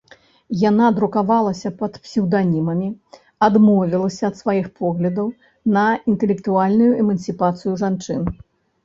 Яна друкавалася пад псеўданімамі, адмовілася ад сваіх поглядаў на інтэлектуальную эмансіпацыю жанчын.